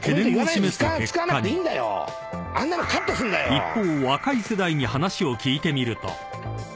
［一方］